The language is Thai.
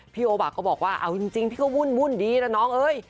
โอบะก็บอกว่าเอาจริงพี่ก็วุ่นดีนะน้องเอ้ย